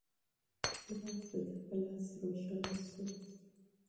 څراغ د ده په لاس روښانه شو.